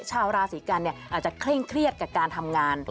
ชาวราศีกันอาจจะเคร่งเครียดกับการทำงาน